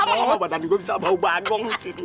lama lama badan gue bisa bau bagong disini